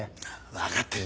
分かってる。